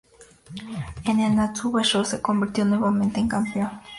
En el Natsu Basho se convirtió nuevamente en campeón.